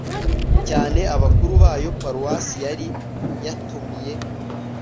cyane abakuru bayo paruwasi yari yatumiye